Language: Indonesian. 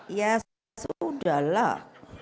ya sudah lah